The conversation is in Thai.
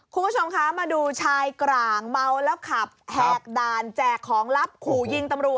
คุณผู้ชมคะมาดูชายกลางเมาแล้วขับแหกด่านแจกของลับขู่ยิงตำรวจ